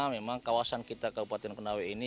memang kawasan kita kabupaten konawe ini